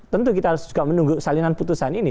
tentu kita harus juga menunggu salinan putusan ini